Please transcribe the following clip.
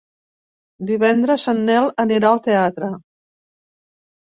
Divendres en Nel anirà al teatre.